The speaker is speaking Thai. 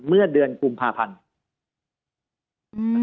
เมื่อเดือนกุมภาพันธ์